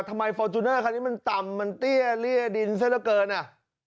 ฟอร์จูเนอร์คันนี้มันต่ำมันเตี้ยเลี่ยดินซะละเกินอ่ะ